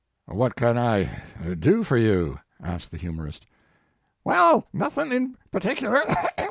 "What can I do for you?" asked the humorist. "Well, nothin in particular.